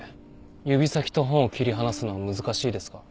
指先と本を切り離すのは難しいですか？